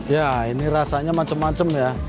ya ini rasanya macam macam ya